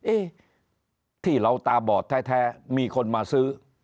ที่เราตาบอดแท้มีคนมาซื้อ